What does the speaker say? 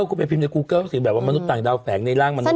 เป็นภิมพ์กินในกูเกิลซึ่งเป็นมนุษย์ต่างดาวแฝงในร่างมนุษย์